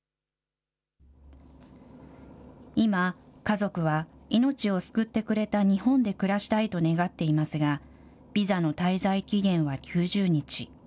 今、家族は命を救ってくれた日本で暮らしたいと願っていますが、ビザの滞在期限は９０日。